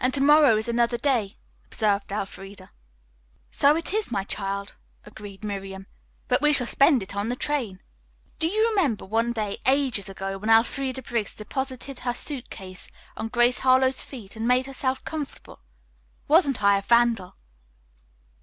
"And to morrow is another day," observed Elfreda. "So it is, my child," agreed Miriam, "but we shall spend it on the train." "Do you remember one day, ages ago, when Elfreda Briggs deposited her suit case on Grace Harlowe's feet and made herself comfortable. Wasn't I a vandal?"